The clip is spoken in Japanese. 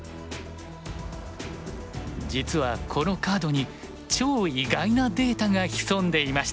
実はこのカードに超意外なデータが潜んでいました。